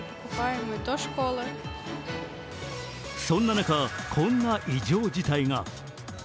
そんな中、こんな異常事態が。